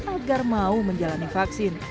agar mau menjalani vaksin